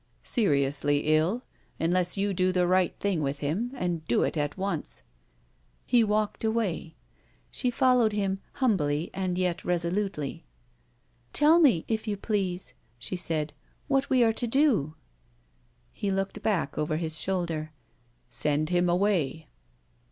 "Seriously ill unless you do the right thing with him, and do it at once." He walked away. She followed him, humbly and yet resolutely. "Tell me, if you please," she said, "what we are to do." He looked back over his shoulder. "Send him away."